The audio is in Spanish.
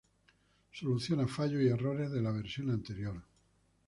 Soluciona fallos y errores de la versión anterior.